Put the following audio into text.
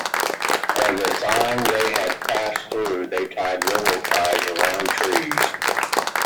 As a sign they had passed through they tied railroad ties around trees.